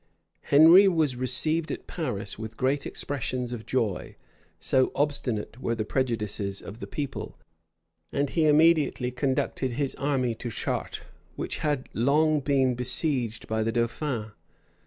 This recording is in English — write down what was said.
Henry was received at Paris with great expressions of joy, so obstinate were the prejudices of the people; and he immediately conducted his army to Chartres, which had long been besieged by the dauphin.